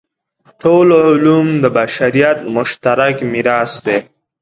ټول علوم د بشریت مشترک میراث دی.